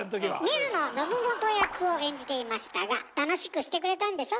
水野信元役を演じていましたが楽しくしてくれたんでしょ？